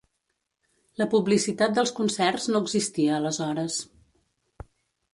La publicitat dels concerts no existia aleshores.